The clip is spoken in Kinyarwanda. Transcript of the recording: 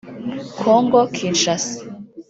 Congo-Kinshasa